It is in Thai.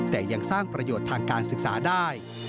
แต่ยังสร้างประโยชน์ทางการศึกษาได้